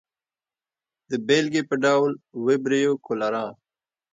د بېلګې په ډول وبریو کولرا.